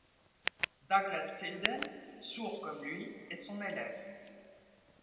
Douglas Tilden, sourd comme lui, est son élève.